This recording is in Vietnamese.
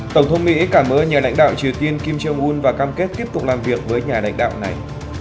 tổng thống mỹ cảm ơn nhà lãnh đạo triều tiên kim jong un và cam kết tiếp tục làm việc với nhà lãnh đạo này